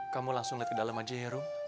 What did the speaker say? kamu langsung liat ke dalam aja ya rum